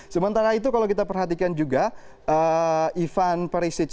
sementara itu kalau kita perhatikan juga ivan perisic